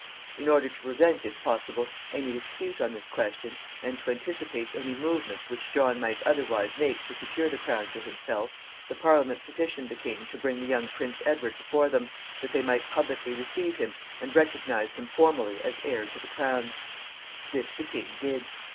In order to prevent, if possible, any dispute on this question, and to anticipate any movements which John might otherwise make to secure the crown to himself, the Parliament petitioned the king to bring the young Prince Richard before them, that they might publicly receive him, and recognize him formally as heir to the crown. This the king did.